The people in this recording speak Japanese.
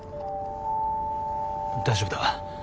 大丈夫だ。